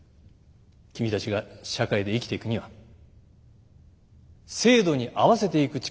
君たちが社会で生きていくには制度に合わせていく力が必要です。